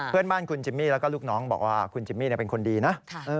เพื่อนบ้านคุณจิมมี่แล้วก็ลูกน้องบอกว่าคุณจิมมี่เป็นคนดีนะ